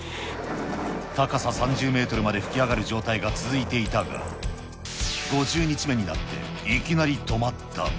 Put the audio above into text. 高さ３０メートルまで噴き上がる状態が続いていたが、５０日目になっていきなり止まった。